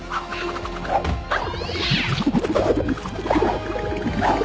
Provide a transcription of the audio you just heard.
あっ！